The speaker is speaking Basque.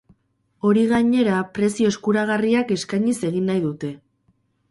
Hori, gainera, prezio eskuragarriak eskainiz egin nahi dute.